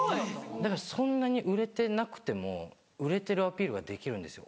だからそんなに売れてなくても売れてるアピールができるんですよ